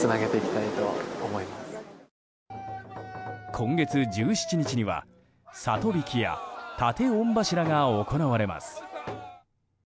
今月１７日には里曳きや建御柱が行われます。